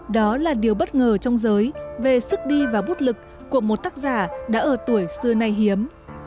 đó là điều bất ngờ trong giới về sức đi và bút lực của một tác giả đã ở tuổi xưa nay hiếm